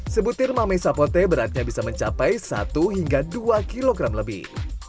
sebutir mame sapote beratnya bisa mencapai satu hingga dua kilogram lebih